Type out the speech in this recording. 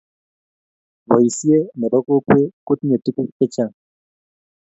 Boisie ne bo kokwee kotinye tukuk che chang.